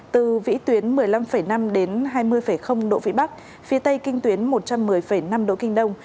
từ vĩ tuyến một mươi năm năm đến hai mươi độ vĩ bắc phía tây kinh tuyến một trăm một mươi năm độ kinh đông